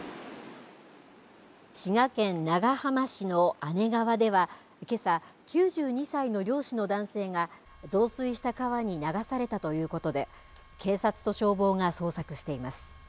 滋賀県長浜市の姉川ではけさ、９２歳の漁師の男性が増水した川に流されたということで警察と消防が捜索しています。